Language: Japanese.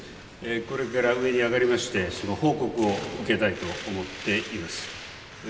これから上に上がりまして、その報告を受けたいと思っています。